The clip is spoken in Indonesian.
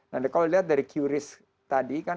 nah kalau dilihat dari qris tadi kan